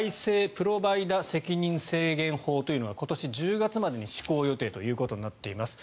プロバイダ責任制限法というのが今年１０月までに施行予定ということになっています。